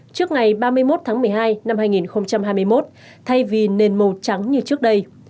trước ngày ba mươi một tháng một mươi hai năm hai nghìn hai mươi một thay vì nền màu trắng như trước đây